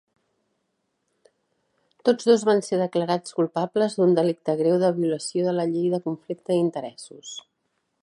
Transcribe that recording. Tots dos van ser declarats culpables d'un delicte greu de violació de la llei de conflicte d'interessos.